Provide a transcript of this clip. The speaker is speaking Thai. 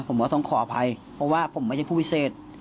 ผมว่าต้องขออภัยเพราะว่าผมไม่ใช่ผู้พิเศษ